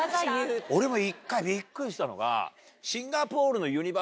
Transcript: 俺も一回びっくりしたのが。